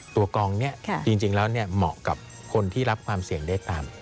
ตัวกองนี้จริงแล้วเหมาะกับคนที่รับความเสี่ยงได้ตาม